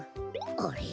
あれ？